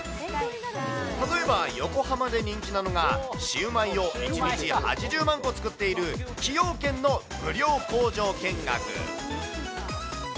例えば横浜で人気なのが、シウマイを１日８０万個作っている崎陽軒の無料工場見学。